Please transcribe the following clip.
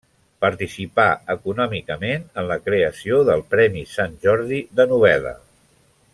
Participà econòmicament en la creació del Premi Sant Jordi de novel·la.